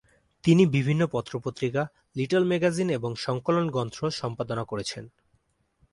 তিনি বিভিন্ন পত্র-পত্রিকা, লিটল ম্যাগাজিন এবং সংকলন গ্রন্থ সম্পাদনা করেছেন।